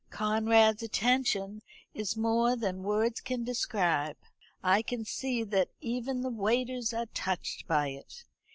Conrad's attention is more than words can describe. I can see that even the waiters are touched by it.